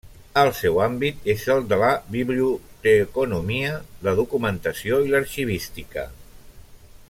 El seu àmbit és el de la biblioteconomia, la documentació i l'arxivística.